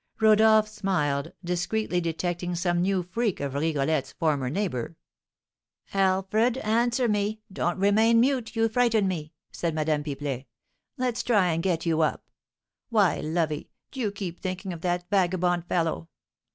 Rodolph smiled, discreetly detecting some new freak of Rigolette's former neighbour. "Alfred! answer me; don't remain mute, you frighten me," said Madame Pipelet; "let's try and get you up. Why, lovey, do you keep thinking of that vagabond fellow?